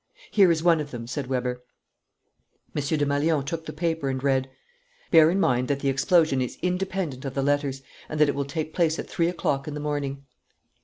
"Here is one of them," said Weber. M. Desmalions took the paper and read: "Bear in mind that the explosion is independent of the letters, and that it will take place at three o'clock in the morning."